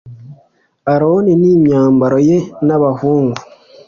aroni n imyambaro ye n abahungu